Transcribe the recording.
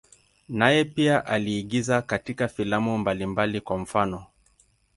Naye pia aliigiza katika filamu mbalimbali, kwa mfano.